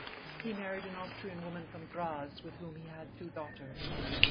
He married an Austrian woman from Graz with whom he had two daughters.